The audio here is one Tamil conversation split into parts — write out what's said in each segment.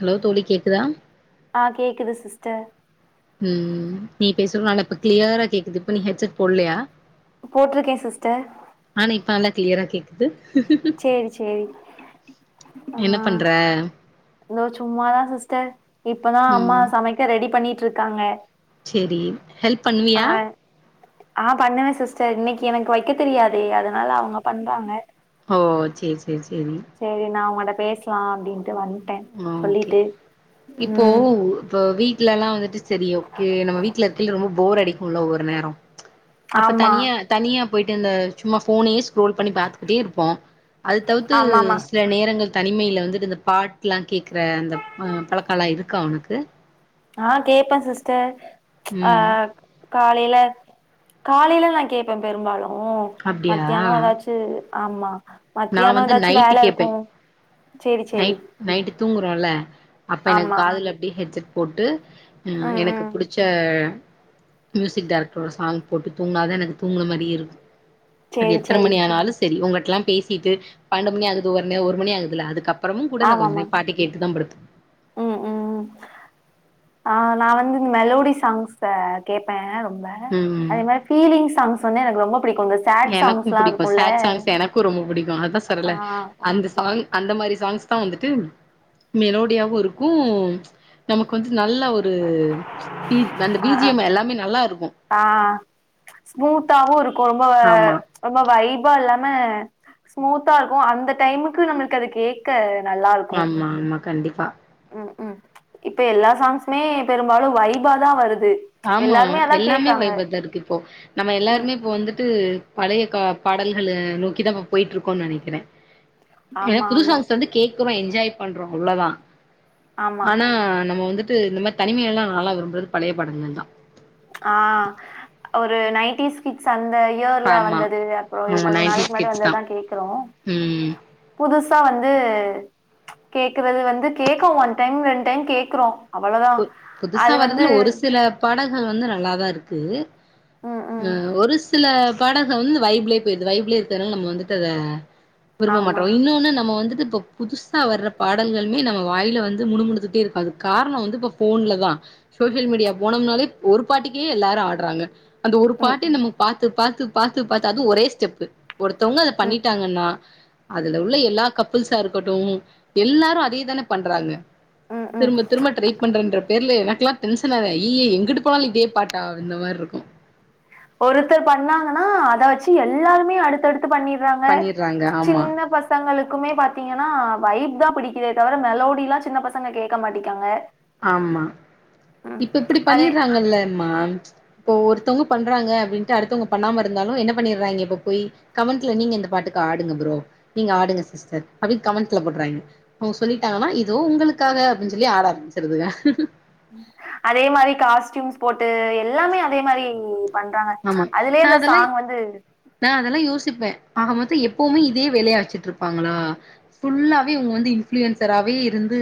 ஹலோ தோழி கேக்குதா ஆஹ் கேக்குது சிஸ்டர் ம் ஹச்சட போடலயா போட்டிருக்கேன் சிஸ்டர் கிளியராக கேகுது சேரி சேரி என்ன பண்ற இந்த சும்மாாதான் சிஸ்டர் இப்பதான் அம்மா சமைக்க ரெடி பண்ணி ட்டு இருக்காங்க செரி ஹெல்ப் பண்ணுவியா ஆஹ் பண்ணுவேன் சிஸ்டர் இன்னைக்கு எனக்கு வைக்க தெரியாதே அதனால அவங்க பண்றாங்க ஓ செரி செ செரி நான் மடக் பேசலா அப்படின்ட்டு வந்துி ஆஹ ஓகே இப்போ ம் இப்ப வீட்ல எல்லாம் வந்துட்டு செரி ஓக்கே நம்ம வீட்டுல இருக்க ரொம்ப போர் அடிக்கும்ணல ஒவ்வரு நேரம் அப்ப ஆமா தனியா தனியா போயிட்டுந்த சும்மா போன் ரோல் பண்ணி பாாரத்துக்கிட்டே இருப்போம் அது தவிர்த்து ஆமாமா சில நேரங்கள் தனிமையையில் வந்துட்டு இந்த பாட் லாம் கேக்குற அந்த அஹ் பழக்க எல்லாம் இருக்கா உனனுக்கு ஆஹ் கே்பேன் சிஸ்டர் ம் அஹ் கா காலைல காலைல நான் கேட்பேன் பெரும்பாலும் ஓ மத்தியானம் ஏதாச்சு ஆமா நான் மத்தியானோ வந்து ஏதாச்சு நைட்டு வேல இருக்கு கேட்பேன் சேரி சேரி நைட் நைட்டு தூங்குறோல அப்ப எனக்கு ஆமா காதுல அப்படியே காதுல அப்டியே ஹெட் செட் போட்டு ம் எனக்கு புடிச்ச மியூசிக் டைரக்டரோட சாங் போட்டு தூங்கினாதான் எனக்கு தூங்குின மாதிரி இருக்கும் அது சேரி எத்தனை சேரி மணி ஆனாலும் சரி உங்க ல்லாம் பேசி ட்டு பன்னண்டு மணி ஆகுது ஒன்னு ஒரு மணி ஆகுது இல்ல அதுக்கப்புற அப்பறமமும் கூட நான் ஆமாமா கொஞ்ச பாட்டு கேட்டுதான் படுப்பன் ம் ம் ஆ நான் வந்து இந்த மெலோடி சாங்ஸ் கேட்பேன் ரொம்ப அதே மாரி பீலிங்ஸ் சாங்ஸ் வந்து எனக்கு ரொம்ப பிடிக்கு இந்த சேட் எனக்கும் சாங்ஸ்லா புடிக்கும் இருக்குல்ல சேட் சாங்ஸ் எனக்கும் ரொம்ப புடிக்கும் அதான் ஆ சொல்றல்ல அந்த சாங் அந்த மாரி சாங்ஸ் தான் வந்துட்டு மெலோடியாவும் இருக்கும் நமக்கு வந்து நல்ல ஒரு பீ அந்த ஆ பீஜிம் எல்லாமே நல்லா இருக்கும் ஸ்மூத்தாவும் இரு ரொம்ப ஆமா ரொம்ப வைபா இல்ல ரொம்ப ஸ்மூத்தா இருக்கும் அந்த டைமுக்கு நம்மளுக்கு அது கேக்க நல்லா இருக்கு ஆமா ஆமா கண்டிப் பா ம் இப்ப எல்லா சாங்ஸுமே பெரும்பாலும் வைபா தான் வரு ஆமா எல்லாமே வைபாத்தான் இருக்கு இப்போ நம்ம ம் எல்லாருமே இப்போ வந்துட்டு பழைய கா பாடல்கள நோக்கி நம்ம போயிட்டு இருக்கோம் நெனக்கிறன் ஏன்ன ஆமா புது ஆமா சாங்ஸ் வந்து கேக் சும்மா என்ஜாய் பண்றோம் அவ்ளோதான் ஆமா ஆனா நம்ம வந்து வந்து நம்ம தனிமை எல்லாம் நாலா விரும்பறது பழைய படங்க தான் ஆஹ் ஒரு நைன்டிஸ் கிட்ஸ் அ இந்த இயர்ல ஆமா வந்தது அப்புறம் இது ஆமா கொஞ்ச நாளைக்கு நைன்டிஸ் முன்னாடி கிட்ஸ் தா வந்ததுதான் கேக்குறோம் ம் புதுசா வந்து கேக்குறது வந்து கேக்கும் ஒன் டைம் ரெண்ட் டைம் கேக்குறோம் புது புதுசா வர்றதுல ஒரு சில பாடல்கள் வந்து நல்லாதான் இரு கு ம் ஒரு சில படசம் வந்து வைப்லே போய்டுது வைப்லே இருக்கறது நால நம்ம வந்துட்டு அத விரும்ப ஆமா மாட்றோ இன்னொன்னு நம்ம வந்து ந்து இப்ப புதுசா வர்ற பாடல்கள்மே நம்ம வாயில வந்து முனுமுனுத்துட்டே இருக்கு அதுக்கு காரண வந்து இப்ப ஃபோன்ல தா சோசியல் மீடியா போனம் நாலே ஒரு பாட்டுக்கே எல்லாரு ஆட்றாங்க அந்த ஒரு ம் பாட்டே ம் நம்ம பாத்தது பாத்து பாத்து பாத்து அது ஒரே ஸ்டெப்பு ஒருத்தவ்ங்க அத ம் பண்ணிட்டாங்கன்னா அதுல உள்ள எல்லா கப்புள்ஸா இருக்கட்டு எல்லாரு அதே தானே பண்றாங்க ம் ம் ம் திரும்ப திரும்ப ட்ரைப் ன்ற பேர்ல எனக்குலா டென்சன் அய்யய்ய எங்குட்டு போனாலு இதே பாட்டா அந்த மார் இருக்கு ஒருத்தர் பண்ணாங்கனா அத வச்சு எல்லாருமே அடுத்தடுத் து பண்ணிற்றாங்க பண்ணிடுறாங்க ஆமா சின்ன பசங்களுக் க்குமே பாத்தீங்கனா வைப் தா பிடிக்குதே தவர மெலோடிலா சின்ன பசங்க கேக்க மாட்டிக்காங்க ஆமா ம் இப்ப இப்டி அதே பண்ணிற்றாங்கல்ல மா இப்போ ஒரு த்தவ்ங்க பண்றாங்க அப்டின்ட்டு அடுத்தவ்ங்க பண்ணாம இருந்தாலு என்ன பண்ணிற்றாங்கெ இப்ப போய் கமெண்ட்ல நீங்க இந்த பாட்டுக்கு ஆடுங்க ப்ரோ நீங்க ஆடுங்க சிஸ்டர் அப்டின்னு கமெண்ட்ல போட்றாங்க அவ்ங்க சொல்லிட்டாங்கனா இதோ உங்களுக்காக அப்டின்னு சொல்லி ஆட ஆரம்மிச் தெடுதுக அதே மாரி காஸ்ட்யூம்ஸ் போட்டு எல்லாமே அதே மாரி பண்றாங்க ஆமா அதுலே இந்த சாங் வந்து சிப்பே ஆக மொத்தோ எப்போமே இதே வேலயா வச்சுட்ருப்பாங்களா ஃபுல்லாவே இவ்ங்க வந்து இன்ஃப்ளுயன்சராவே இருந்து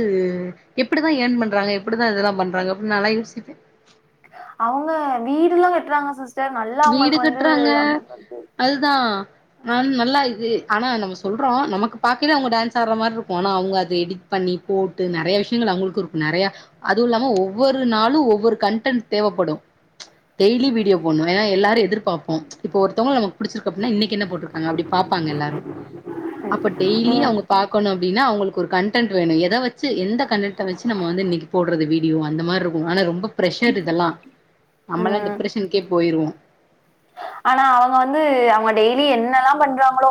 எப்டிதா ஏர்ன் பண்றாங்க எப்டிதா இதெல்லா பண்றாங்க அப்டின் நாலா யோசிப்பே அவ்ங்க வீடுலா கட்றாங்க சிஸ் வீடு கட்றாங்க அதுதா ஆம் நல்லா இது ஆனா நம்ம சொல்றோ நமக்கு பாக்கைல அவ்ங்க டான்ஸ் ஆட்ற மார்ருக்கு ஆனா அவ்ங்க அது எடிட் பண்ணி போட்டு நெறையா விஷ்யங்கள் அவ்ங்களுக்கு இருக்கு நெறையா அதுவு இல்லாம ஒவ்வொரு நாளு ஒவ்வொரு கன்டென்ட் தேவப்படு டெய்லி வீடியோ போட்ணு அ எல்லாரு எதிர்பாப்போ இப்போ ஒருத்தவ்ங்ள நமக்கு புடிச்சிருக்கு அப்டினா இன்னைக்கு என்ன போட்ருக்காங்க அப்டி பாப்பாங்க எல்லாரு அப்ப டெய்லி அவ்ங்க பாக்கணும் அப்டினா அவ்ங்களுக்கு ஒரு கன்டன்ட் வேணு எதா வச்சு எந்த கனடன்ட்ட வச்சு நம்ம வந்து இன்னக்கி போட்றது வீடியோ அந்த மார்ருக்கு ஆனா ரொம்ப ப்ரஷரு இதெல்லா நம்மலா ம் டிப்ரஷன்கே போயிருவோ ஆனா அவ்ங்க வந்து அவ்ங்க டெய்லி என்னலா பண்றாங்களோ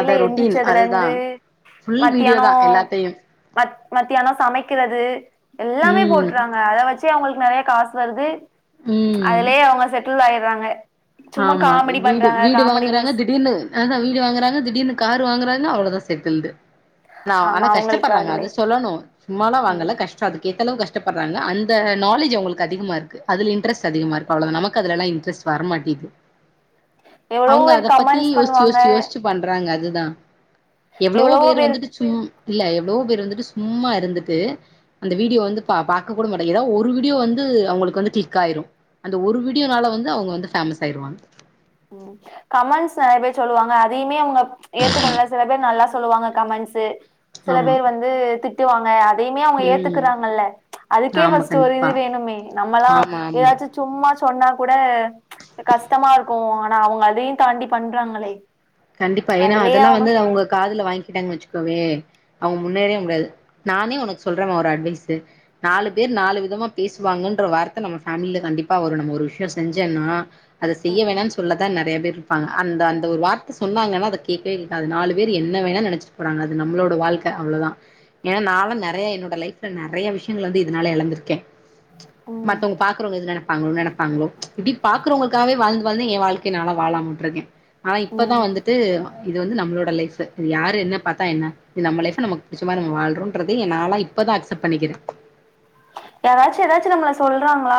அத ரொட்டீன் எந்துச்சதுல அதுதா இருந்து ஃபுல் வீடியோ மத்யானோ தா எல்லாத்தையு மத் மத்யான சமைக்கிறது எல்லாமே ம் போட்றாங்க அத வச்சு இத்தே அவ்ங்களுக்கு நெறையா காஸ் வருது ம் அதுலே அவ்ங்க செட் டில் ஆய்ர்றாங்க ஆமா வீடு வீடு வாங்குறாங்க வீஸ் திடீர்னு ஆஹ வீடு வாங்குறாங்க திடீர்னு காரு வாங்குறாங்க இன்னோ அவளதா செட்டில்டு நாவ் ஆனா ஆமா அவங்களுக்கு கஷ்டப்பட்றாங்க அதுலே அத சொல்லணு சும்மாலா ம் வாங்கல கஷ்ட அதுக்கேத் தளவு கஷ்டப்பட்ற்றங்க அந்த நாலேஜ் அவ்ங்களுக்கு அதிகமா இருக்கு அதுல இன்ட்ரெஸ்ட் அதிகமா இருக்கு அவ்ளோதா நமக்கு அதுலலா இண்ட்ரெஸ்ட் வர மாட்டிது எவ்வளவோ அவங்க பேர் அத பத்தி கமெண்ட்ஸ் யோசிச்சு பண்ணுவாங்க யோசிச்சு யோசிச்சு பண்றாங்க அது தா எவ்ளவோ பேர் வந்துட்டு சும் இல்ல எவ்ளோ பேர் வந்துட்டு சும்மா இருந்துட்டு அந்த வீடியோ வந்து பா பாக்க கூட மாட்டாங்க எதா ஒரு வீடியோ வந்து அவங்களுக்கு வந்து கிளிக் ஆயிரு அந்த ஒரு வீடியோனால வந்து அவங்க வந்து ஃபேமஸ் ஆயிருவாங்க உம் கமெண்ட்ஸ் நெறைய பேர் சொல்லுவாங்க அதைமே அவங்க ஏத்துக்கனுல்ல சில பேர் நல்லா சொல்லுவாங்க கமெண்ட்ஸு சில ஆமா பேர் வந்து திட் டு வாங்க அ தைமே அவங்க ம் ஏத்துக்கிறாங்கல்ல அதுக்கே ஆமா ஃபஸ்ட்டு ஒரு கண்டிப்பா இது வேணுமே நம்மல்லா ஆமா ஆமா எதாச்சு சும்மா சொன்னா கூட கஷ்டமார் க்கு ஆனா அவங்க அதையு தாண்டி பண்றாங்களே கண்டிப்பா ஏனா அதுலயே அதெல்லா வந்து சொல் அவங்க காதுல வாங் கிட்டாங்கன் வச்சுக்கோவே, அவங்க முன்னேறவே முடியாது. நானே உனக்கு சொல்றே ஒரு அட்வைஸ்சு, நாலு பேர் நாலு விதமா பேசுவாங்கன்ற வார்த்த நம்ம ஃபேமில கண்டிப்பா வரு நம்ம ஒரு விஷ்யோ செஞ்சம்ன்னா அத செய்ய வேணான் சொல்லத்தா நெறைய பேர் இருப்பாங்க அந்த அந்த ஒரு வார் த்த சொன்னாங்கனா அத கேக்கவே கேக்காத நாலு வேர் என்ன வேணா நெனச்சிட்டு போறாங்க அது நம்ளோட வாழ்க்க அவ்ளோ தா ஏனா நா வந் நெறைய என்னோட லைஃப்ல நெறைய விஷ்யங்கள் வந்து இதுனால எழந்திருக்கே ம் மத்தவங்க பாக்கறவங்க எது நெனப்பாங்கள் நெனப்பாங்களோ இப்டி பா க்கறவங்களுக்காவே வாழ்ந்து வாழ்ந்து எ வாழ்க்க நால்லா வாழாம விட்ருக்கே இப்ப தா ம் வந்துட்டு இது வந்து நம்ளோட லைஃப்பு இது யாரு என்ன பாத்தா என்ன இது நம்ம லைஃப்பு நமக்கு புடிச்ச மாரி நம்ம வாழ்றோன்றதே ஏ நால்லா இப்ப தா அக்செப்ட் பண்ணிக்கிறே யாராச்சு எதாச்சு நம்மள சொல்றாங்ளா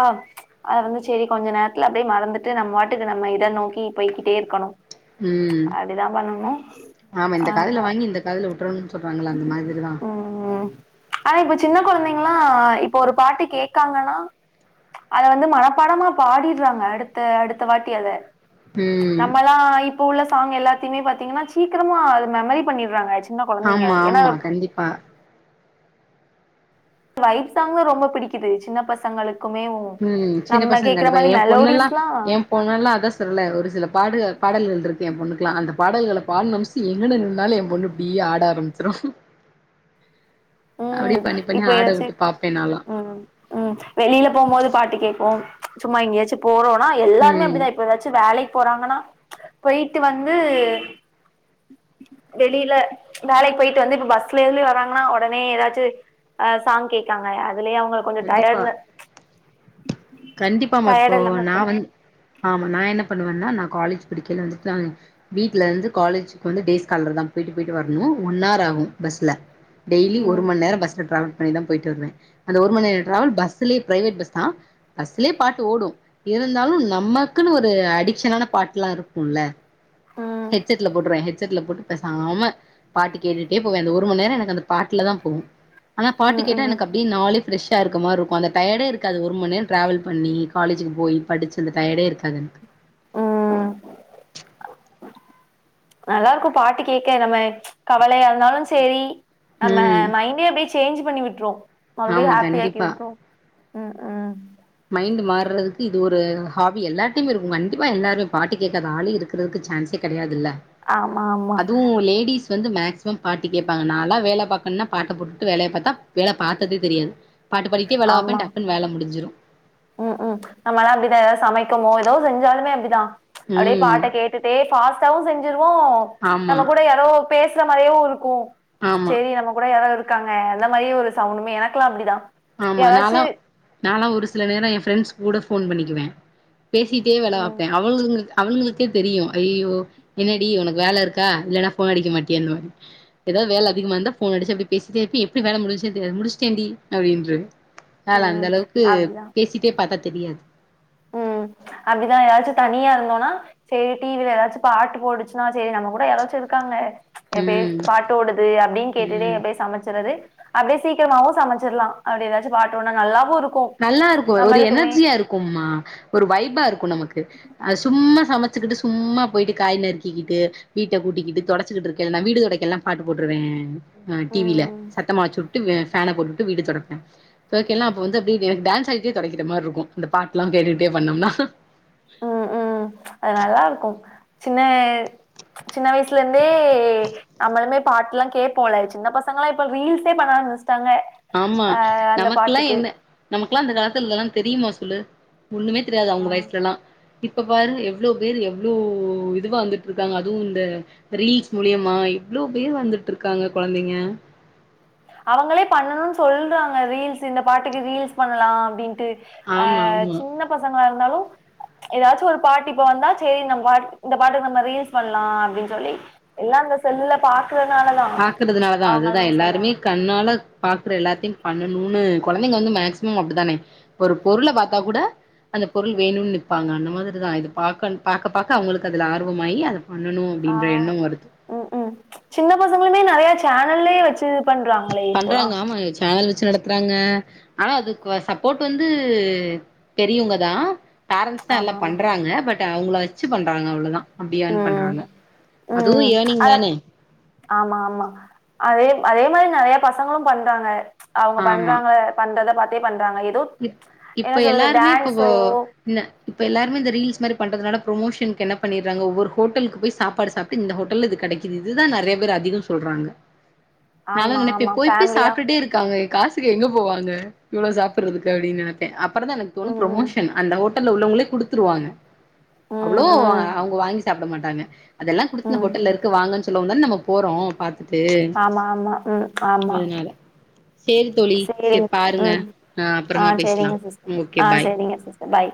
அத வந்து செரி கொஞ்ச நேரத்துல அப்டியே மறந்துட்டு நம் வாட்டுக்கு நம்ம இத நோக்கி போய்கிட்டேருக்கணு. ம் அப்டி தா பண்ணனு ஆமா ஆ, இந்த காதுல ஆ வாங்கி இந்த காதுல விட்றணும்னு சொல்றாங்கல்ல அந்த உம், மாதிரிதா உம் ஆனா இப்ப சின்ன கொழந்தைங் கலா இப் ப ஒரு பாட்டு கேக்காங்கனா அத வந்து மனப்பாடமா பாடிர்றாங்க அடுத்த அடுத்த வாட்டி அத ம் நம்மல்லா இப்ப உள்ள சாங் எல்லாத்திமே பாத்தீங்கன்னா சீக்கிரமா அது மெமரி பண்ணிட்றாங்க [unintelligible] ஆமா ஏன்னா ஆமா கண்டிப்பா வைப் சாங்கு ரொம்ப பிடிக்குது சின்ன பசங்களுக் உம் சின்ன பசங்க கண்டிப்பா என் பொண்ணெல்லா மெலோடிஸ்லா என் பொண்ணெல்லா அதா சொல்ல ஒரு சில பாடு பாடல்கள்ருக்கு எம் பொண்ணுக் குலா அந்த பாடல்கள பாட் [unintelligible] எங்கன நின்னாலு எம்பொண்ணு இப்டி ஆட ஆரம்பிச்சிருவா உம் இப்ப எதாச்சு உம் உம் வெளில போம்போது பாட்டு கேப்போ சும்மா எங்கயாச்சு போறோ ஆ எல்லாருமே ம் இப்டி தா இப்ப எதாச்சு வேலைக் போறாங்கனா போய்ட்டு வந்து வெளில வேலைக் போய்ட்டு வந்து இப்ப பஸ்லருந்து வராங்னா ஒடனே எதாச் சாங் கேட்காங்க ய அதுலயே அவங்களுக்கு கொஞ்சோ கண்டிப்பா டயர்டல கண்டிப்பாமா இப்போ நா வந் ஆமா நா என்ன பண்ணுவேன்னா நா காலேஜ் படிக்கல [unintelligible] வீட்டுலருந்து காலேஜுக்கு வந்து டே ஸ்காலர்தா போய்டு போய்டு வர்னோ ஒன் ஹார் ஆகு பஸ்ல டெய்லி ஒரு ம் மண்நேரோ பஸ்ல டிராவ பண்ணி தா போய்ட்டு வருவே அந்த ஒரு மண்நேரோ டிராவல் பஸ்லேயே பிரைவேட் பஸ் தா அசலயே பாட்டு ஓடு இருந்தாலு நமக்குன்னு ஒரு அடிக்க்ஷனான பாட்லா இருக்குல ம் ஹெட் செட்ல போட்ருவே ஹெட் செட்ல போட்டு பேசாம பாட்டு கேட்டுட்டே போவே அந்த ஒருமநேரோ எனக்கு அந்த பாட்லதா போகு ஆனா பாட்டு ம் கேட்டா ம் எனக்கு அப்டி நாலு ஃபிரெஷா இருக்க மாருருக்கு அந்த டயர்டே இருக்காது ஒருமநேரோ டிராவல் பண்ணி காலேஜுக்கு போய் படிச்சு அந்த டயடே இருக்காது எனக்கு ம் நல்லாருக்கு பாட்டு கேக்க நம்ம கவலயா இருந்தாலு செரி நம்ம ம் மைண்டே அப்டியே சேஞ்ச் பண்ணி விட்ரு மறுபடி ஆமா ஹாப்பி ஆக்கி கண்டிப்பா வுட்ரு ம்ம் மைண்டு மாறுறதுக்கு இது ஒரு ஹாபி எல்லாடையுமே இருக்கு கண்டிப்பா எல்லாருமே பாட்டு கேட்காத ஆளே இருக்குறதுக்கு சான்ஸே கெடயாதுல ஆமா ஆமா வந்து மேக்சிமம் பாட்டு கேட்பாங்க நாலா வேல பாக்கணுனா பாட்ட போட்டுட்டு வேலய பாத்தா வேல பாத்ததே தெரியாது பாட்டு பாடுகிட்டே வேல பாப்பே டக்குனு வேல முடிஞ்சுரு ம்ம் நம்மளா அப்டிதா எதாது சமைக்கமோ எதோ செஞ்சாலுமே அப்டி தா அப்டியே ம் பாட்ட கேட்டுடே ஃபாஸ்டா வு செஞ்சு ஓ ஆமா நம்ம கூட யாரோ பேசுற மாரியு இருக்கு ஆமா செரி நம்ம கூட யாரா இருக் க்காங்க அந்த மாரி ஒரு சவுண்டுமே எனக்லா அப்டிதா ஆமா யாராச்சு நாலா நாலா ஒரு சில நேரோ எப் ஃப்ரெண்ட்ஸ் கூட ஃபோன் பண்ணிக்குவேன். பேசிட்டே ம் விலைாய்ப்ப அவள கி அவனுங்களுக்கே தெரியு ஐயோ என்னாடி உனக்கு வேலை இருக்கா இல்லைன்னா ஃபோன் அடிக்க மாட்டேன் அந்த மாதிரி ஏதாவது வேலை அதிகமா இருந்தா ஃபோன் அடிச்சு அப்படி பேசிட்டே இருப்பேன் எப்படி வேலை முடிச்ச முடிச்சட்டேன்டி அப்படின்றவ. ஆல அந்த ம் அளவுக்கு பேசிட்டே பத்தா தெரியாது. உம் அப்படிதா ஏதாச்சு தனியா இருந்தோம்னா சரி டிவில ஏதாச்சு பாட்டு போடுச்சுன்னா சரி நம்ம கூட யாராச்சு இருக்காங்க. எப்பய ம் பாட்டு ஓடுது அப்படின்னு கேட்டுட்டே ம் எப்பய சமைச்சறது. அப்டிக்சிகரமாவும் சமைச்சிடலாம் அப்படி ஏதாச்சும் பாட்டோனா நல்லாவும் இருக்கூ. நல்லா இருக்கூ ஒரு எனர்ஜியா இருக்கும்மா ஒரு வைபா இருக்கும் நமக்கு அது சும்மா சமைச்சுக்கிட்டு சும்மா போயிட்டு காய் நறுக்கிக்கிட்டு வீட்ட கூட்டிக்கிட்டு தொடச்சுக்கிட்டு இருக்கேல்ல நான் வீடு தொடடைக்க எல்லாம் பாட்டு போட்டுருவேன். ஆ டிவில ம். சத்தமா வாச்சுட் டூ பேன போட்டுட்டு வீடு தொடப்பேன் [unintelligible] அப்ப வந்து எனக்கு டான்ஸ் ஆகிட்டே தொடக்கிற மாதிரி இருக்கும் அந்த பாட்டு எல்லாம் கேட்டுக்கிட்டே பண்ணோம்னா. உம் உம் அது நல்லா இருக்கூ சின்ன சின்ன வயசுலருந்தே நம்மளுமே பாட்டு எல்லாம் கேட்போல சின்ன பசங்களல்லாம் இப்ப ரீல்ஸே பண்ண ஆரம்பிச் தங்க ஆ அந்த பாட்டுக்கு கிலா அந்த காலத்துல இதெல்லா தெரியுமா சொல்லு ஒண்ணுமே தெரியாது அவங்க ஆ. வயசுலல்லா இப்ப பாரு எவ்ளோ பேரு எவ்ளோ இதுவா வந்துட் ருக்காங்க அதுவு இந்த ரீல்ஸ் மூலியமா எவ்வளோ பேர் வந்துட்டு ருக்காங்க கொழந்தைங்க அவங்களே பண்ணணுனு சொல்றாங்க ரீல்ஸ் இந்த பாட்டுக்கு ரீல்ஸ் பண்லா அப்டின்ட்டு ஆ, ஆமா ஆமா சின்ன பசங்களா இருந்தாலு ம்ச் ஏதாச்சு ஒரு பாட்டு இப்ப வந்தா செரி நம்ம பாட் இந்த பாட்டு நம்ம ரீல்ஸ் பண்ணலா அப்டின் சொல்லி எல்லா இந்த செல்லுல பாக் பாக்குறதுனால தா அதுதா எல்லாருமே சொல்றாங்க கண்ணால பாக்குற எல்லாத்தையு பண்ணணும்ணு குழந்தைங்க வந்து மேஸிமம் அப்டித்தானே ஒரு பொருள பாத்தா கூட அந்த பொருள் வேணும்னு நிப்பாங்க அந்த மாதிரிதா இது பாக் பாக்க பாக்க அவங்களுக்கு அதுல ஆர்வாம்மாயி அத் ஆ ம் ம் சின்ன பசங்களுமே நெறையா சேனல்லேயே வச்சு பண்றாங்களே இப்பொலா ச்சி நடத்துறாங்க ஆனா அதுக்கு சப்போர்ட் வந்து பெரியவங்கதா பேரண்ட்ஸ் தா எல்லா ஆமா ஆமா பண்றாங்க பட் ட்ட அவங்கள வச்சு பண்றாங்க அவ்ளோதா அப்டியான் ம் பண்றாங்க அதுவும் ம் அத ஏர்னிங்தான அதேமாதிரி நெறைய பசங்களும் பண்றாங்க அவங்க ஆமா பண்றாங்க பண்றதபாத் [unintelligible] [unintelligible] ஏதோ இப் என்ன இப்ப சொல்றது எல்லாருமே இப்போ டான்சோ இந்த இப்ப எல்லாருே இந்த ரீல்ஸ் மாரி பண்றதுனல ப்ரோமோஷன்க்கு பண்ணிடுறாங்க ஒவ்வொரு ஹோட்டலுக்கு போய் சாப்பாடு சாப்ட்டு இந்த ஹோட்டல்ல இது கெடைக்குது இதுதான் நிறைய பேர் அதிகம் சொல்றாங்க ஆமா நாலாம்நினைப்ப ஆமா போய் போய் ஃபேமிலியா சாப்டுட்டே இருக்காங்க காசுக்கு எங்க போவாங்க இவ்ளோ சாப் [unintelligible] அப்டின்நெனைப்பா தொடர்ந்து எனக்குதோணு ம் ம். ப்ரோமோஷன் அந்த நல்ல உள்ளவங்களே குடுத்துருவாங்க அவ்ளோ ம் ம். அவங்க வாங்கி சாப்டமாட்டாங்க அதெல்லா குடுத்து ம். ஹோட்டல்லயிருக்கு வாங்கன்னு [unintelligible] தான் நம்ம போறோம் பாத்து து ஆமா ஆமா. ம் ஆமா. அதனால செரி தோழி செரி பாருங்க ஆ அப்புறமா ஆஹ் பேசலா செரிங்க சிஸ்டர் ஓகே ஆஹ் பாய் செரிங்க சிஸ்டர் பாய்